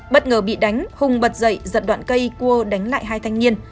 bất ngờ bị đánh hùng bật dậy giật đoạn cây cua đánh lại hai thanh niên